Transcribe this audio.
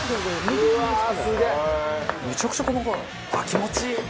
気持ちいい。